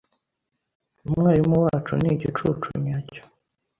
Umwarimu wacu ni igicucu nyacyo.